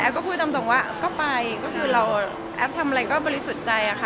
ก็พูดตรงว่าก็ไปก็คือเราแอปทำอะไรก็บริสุทธิ์ใจค่ะ